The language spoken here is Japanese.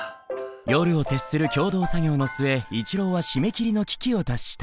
夜を徹する共同作業の末一郎は締め切りの危機を脱した。